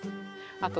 あと